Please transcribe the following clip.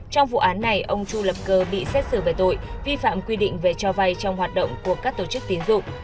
trong vụ án này ông chu lập cơ bị xét xử về tội vi phạm quy định về cho vay trong hoạt động của các tổ chức tiến dụng